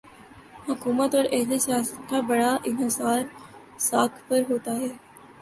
حکومت اوراہل سیاست کا بڑا انحصار ساکھ پر ہوتا ہے۔